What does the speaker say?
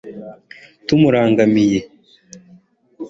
tumurangamiye